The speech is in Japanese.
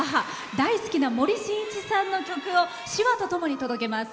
大好きな森進一さんの曲を手話とともに届けます。